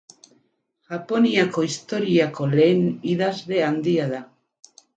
Japoniako historiako lehen idazle handia da.